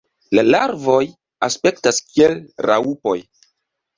La larvoj aspektas kiel raŭpoj.